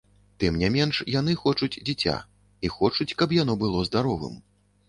Тым не менш яны хочуць дзіця, і хочуць, каб яно было здаровым.